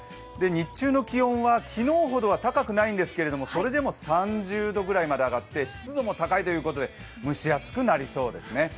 日中の気温は、昨日ほどは高くないんですけれども、それでも３０度ぐらいまで上がって湿度も高いということで蒸し暑くなりそうですね。